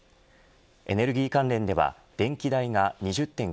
エネルギー関連では電気代が２０．９％